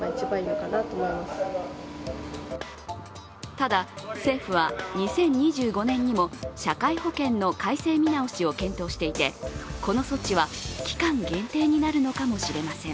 ただ、政府は２０２５年にも社会保険の改正見直しを検討していて、この措置は期間限定になるのかもしれません。